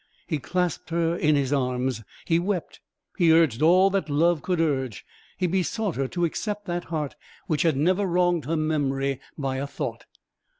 He clasped her in his arms; he wept; he urged all that love could urge: he besought her to accept that heart which had never wronged her memory by a thought.